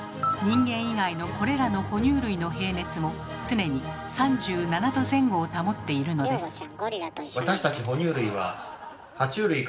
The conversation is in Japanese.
人間以外のこれらの哺乳類の平熱も常に３７℃前後を保っているのです。